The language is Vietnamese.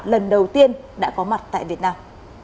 lần đầu tiên đã có mặt tại việt nam